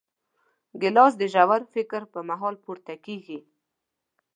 ګیلاس د ژور فکر پر مهال پورته کېږي.